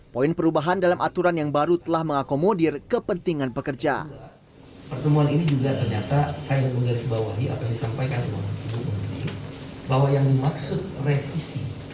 poin perubahan dalam aturan yang terjadi adalah kemudahan